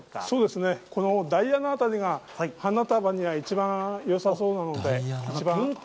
そうですね、このダイアナあたりが花束には一番よさそうなので、一番。